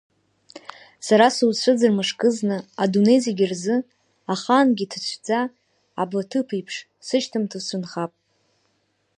Сара суцәыӡыр мышкызны, адунеи зегьы ырза, ахаангьы иҭацәӡа, аблаҭыԥеиԥш, сышьҭамҭа уцәынхап…